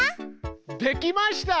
できました！